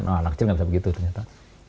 nah anak kecil nggak bisa begitu ternyata